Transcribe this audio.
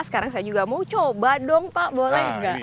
sekarang saya juga mau coba dong pak boleh nggak